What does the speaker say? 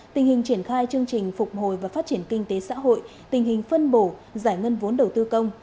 tình hình triển khai chương trình phục hồi và phát triển kinh tế xã hội tình hình phân bổ giải ngân vốn đầu tư công